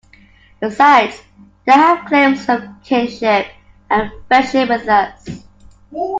Besides they have claims of kinship and friendship with us.